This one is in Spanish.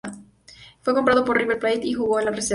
Fue comprado por River Plate y jugo en la reserva.